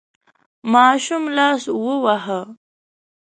ماشوم لاس وواهه.